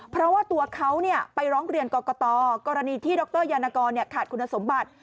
เพราะว่าตัวเขาไปร้องเรียนกรกตกรณีที่ดรยานกรขาดคุณสมบัติ